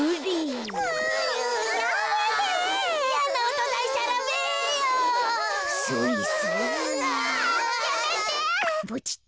やめて！